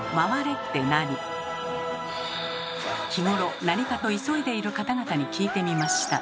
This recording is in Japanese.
日頃何かと急いでいる方々に聞いてみました。